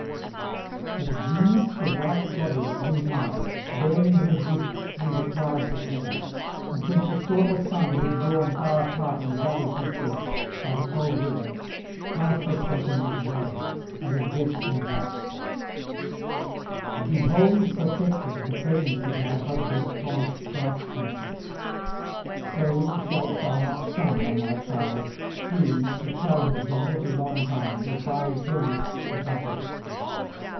But Venus the white goddess drew nigh, bearing her gifts through the clouds of heaven; and when she saw her [610 646]son withdrawn far apart in the valley's recess by the cold river, cast herself in his way, and addressed him thus: 'Behold perfected the presents of my husband's promised craftsmanship: so shalt thou not shun, O my child, soon to challenge the haughty Laurentines or fiery Turnus to battle.'